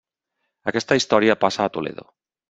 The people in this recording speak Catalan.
Aquesta història passa a Toledo.